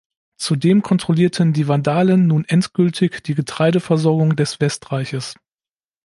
Zudem kontrollierten die Vandalen nun endgültig die Getreideversorgung des Westreiches.